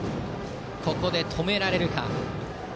ここで止められるか。